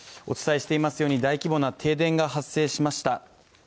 お伝えしていますように大規模な停電が発生しました。